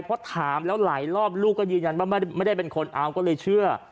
เพราะถามแล้วหลายรอบลูกก็ยืนยันว่าไม่ได้เป็นคนเอาก็เลยเชื่อ